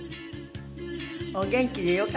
お元気でよかった。